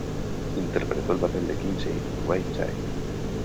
Interpretó el papel de Kinsey en "Wild Child".